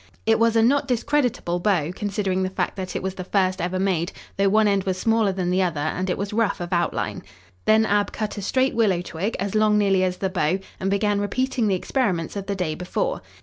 It was a not discreditable bow, considering the fact that it was the first ever made, though one end was smaller than the other and it was rough of outline. Then Ab cut a straight willow twig, as long nearly as the bow, and began repeating the experiments of the day before.